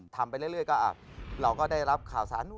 ทำไปเรื่อยก็เราก็ได้รับข่าวสาร